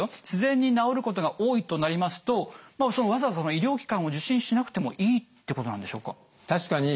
自然に治ることが多いとなりますとわざわざ医療機関を受診しなくてもいいってことなんでしょうか？